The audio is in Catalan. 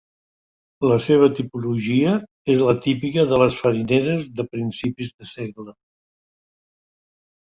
La seva tipologia és la típica de les farineres de principis de segle.